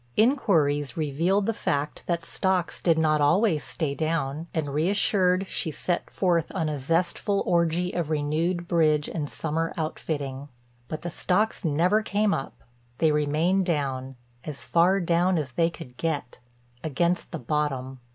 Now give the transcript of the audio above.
Inquiries revealed the fact that stocks did not always stay down and reassured she set forth on a zestful orgy of renewed bridge and summer outfitting. But the stocks never came up, they remained down, as far down as they could get, against the bottom.